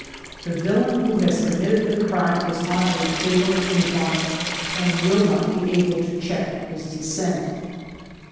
The villain who has committed the crime is on a fatal incline and will not be able to check his descent.